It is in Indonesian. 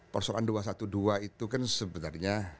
persoalan dua ratus dua belas itu kan sebenarnya